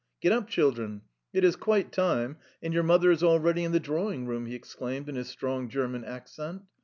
"Get up, children! It is quite time, and your mother is already in the drawing room," he exclaimed in his strong German accent.